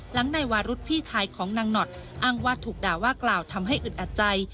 หลังนายวารุธพี่ชายของนางหนอดอ้างว่าถูกด่าว่ากล่าวทำให้อึดอัดใจ